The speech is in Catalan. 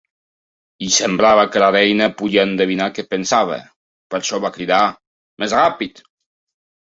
I semblava que la Reina podia endevinar què pensava, per això va cridar "Més ràpid".